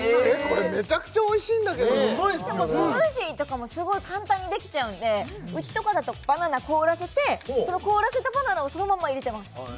めちゃくちゃおいしいんだけどスムージーとかもすごい簡単にできちゃうんでうちとかだとバナナ凍らせてその凍らせたバナナをそのまんま入れてます